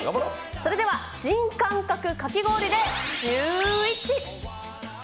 それでは新感覚かき氷でシューＷｈｉｃｈ。